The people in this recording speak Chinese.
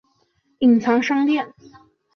隐藏商店